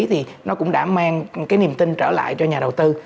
thì nó cũng đã mang cái niềm tin trở lại cho nhà đầu tư